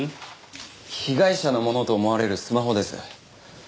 被害者のものと思われるスマホです。